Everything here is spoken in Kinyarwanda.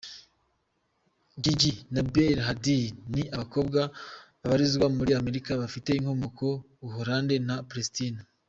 Gigi na Bella Hadid ni abakobwa babarizwa muri Amerika bafite inkomoko Buholande na Palesitina.